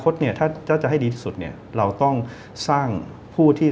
เรียกสี่นะครับ